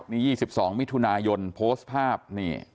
นี่๒๒มิถุนายนโพสต์ภาพนี่